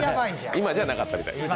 今じゃなかったみたい。